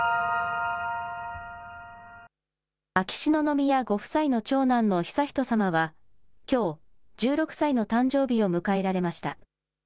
秋篠宮ご夫妻の長男の悠仁さまは、きょう、１６歳の誕生日を迎えられました。